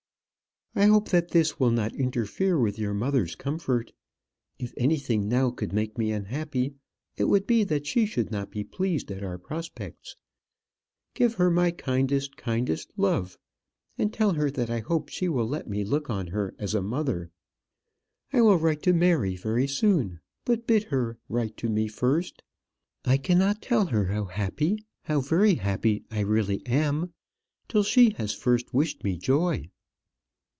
I hope that this will not interfere with your mother's comfort. If anything now could make me unhappy, it would be that she should not be pleased at our prospects. Give her my kindest, kindest love; and tell her that I hope she will let me look on her as a mother. I will write to Mary very soon; but bid her write to me first. I cannot tell her how happy, how very happy I really am, till she has first wished me joy.